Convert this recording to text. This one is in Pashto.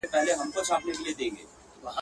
څنګه یو له بله بېل سو ته لمبه زه پروانه یم.